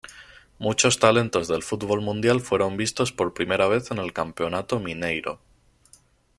Muchos talentos del fútbol mundial fueron vistos por primera vez en el Campeonato Mineiro.